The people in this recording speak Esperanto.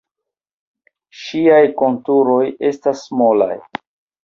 Ŝiaj konturoj estas molaj.